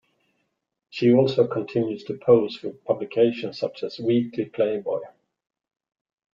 She also continues to pose for publications such as "Weekly Playboy".